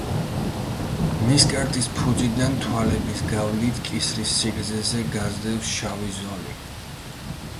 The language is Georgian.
ნისკარტის ფუძიდან თვალების გავლით, კისრის სიგრძეზე გასდევს შავი ზოლი.